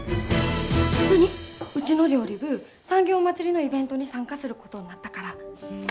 うちの料理部産業まつりのイベントに参加することになったから。